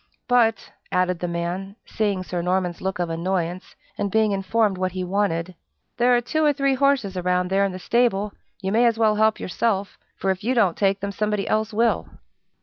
"But," added the man, seeing Sir Norman's look of annoyance, and being informed what he wanted, "there are two or three horses around there in the stable, and you may as well help yourself, for if you don't take them, somebody else will."